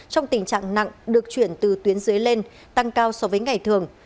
trong tình trạng nặng được chuyển từ tuyến dưới lên tăng cao so với ngày thường